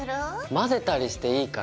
混ぜたりしていいかな？